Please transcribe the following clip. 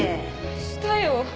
したよ。